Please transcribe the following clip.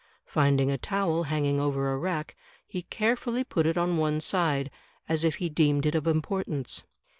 Finding a towel hanging over a rack, he carefully put it on one side, as if he deemed it of importance.